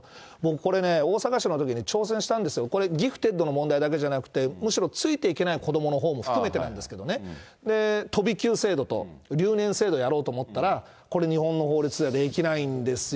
これね、大阪市のときに挑戦したんですよ、これ、ギフテッドの問題だけじゃなくて、むしろついていけない子どものほうも含めてなんですけれども、飛び級制度と留年制度をやろうと思ったら、これ日本の法律ではできないんですよ。